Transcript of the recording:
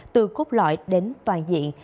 từ cốt loại đến toàn diện